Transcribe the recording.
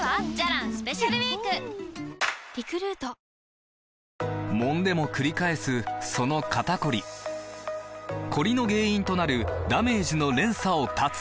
さわやか男性用」もんでもくり返すその肩こりコリの原因となるダメージの連鎖を断つ！